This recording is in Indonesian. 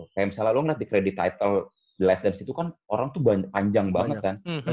kayak misalnya lu ngeras di kredit title the last dance itu kan orang tuh panjang banget kan